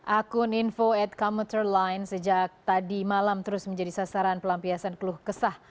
akun info at komuter line sejak tadi malam terus menjadi sasaran pelampiasan keluh kesah